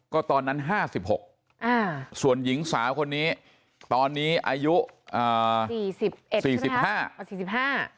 ก็ตอนนั้นห้าสิบหกส่วนหญิงสาวคนนี้ตอนนี้อายุสี่สิบห้า